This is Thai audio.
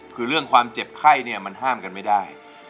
คือเรื่องความเจ็บไข้เนี่ยมันห้ามกันไม่ได้